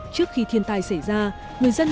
trước khi thiên tai xảy ra người dân